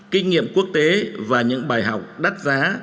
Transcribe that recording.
kinh nghiệm quốc tế và những bài học đắt giá